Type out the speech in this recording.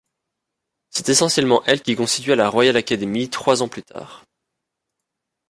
C'est essentiellement elle qui constitua la Royal Academy trois ans plus tard.